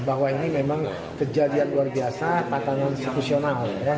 bahwa ini memang kejadian luar biasa patangan diskusional